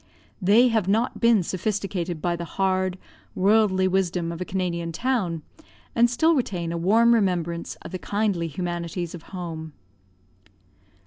They have not been sophisticated by the hard, worldly wisdom of a Canadian town, and still retain a warm remembrance of the kindly humanities of home.